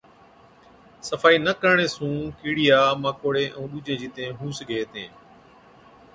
صفائِي نہ ڪرڻي سُون ڪِيڙِيا ماڪوڙي ائُون ڏُوجين جِيتيَين هُو سِگھي هِتين۔